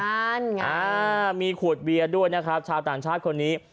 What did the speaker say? นั่นไงอ่ามีขวดเบียร์ด้วยนะครับชาวต่างชาติคนนี้